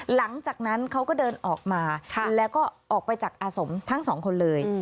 หลังจากนั้นเขาก็เดินออกมาแล้วก็ออกไปจากอาสมทั้งสองคนเลย